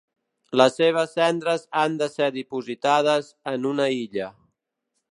Les seves cendres han de ser dipositades en una illa.